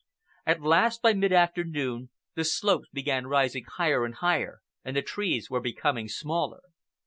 At last, by mid afternoon, the slopes began rising higher and higher and the trees were becoming smaller.